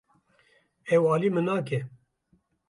Ew alî min nake.